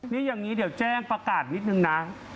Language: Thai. นี่อย่างนี้เดี๋ยวแจ้งประกาศนิดนึงนะ